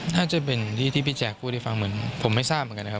น่าจะเป็นที่พี่แจ๊คพูดให้ฟังเหมือนผมไม่ทราบเหมือนกันนะครับ